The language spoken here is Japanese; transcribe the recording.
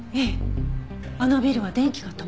あのビルは電気が止まってたのに。